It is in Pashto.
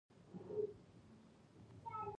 دښمن له نېکمرغه خلک نه شي زغملی